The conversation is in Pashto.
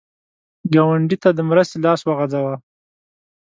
ګاونډي ته د مرستې لاس وغځوه